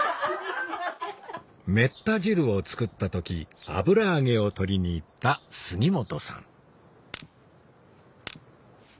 めった汁を作った時油揚げを取りに行った杉本さん